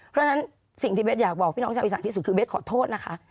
เพราะฉะนั้นสิ่งที่เบสอยากบอกพี่น้องชาวอีสานที่สุดคือเบสขอโทษนะคะ